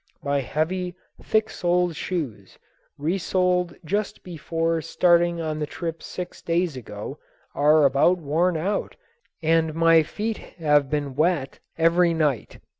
My heavy, thick soled shoes, resoled just before starting on the trip six days ago, are about worn out and my feet have been wet every night.